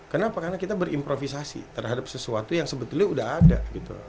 kenapa karena kita berimprovisasi terhadap sesuatu yang sebetulnya sudah ada